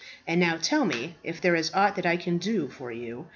And now tell me if there is aught that I can do for you.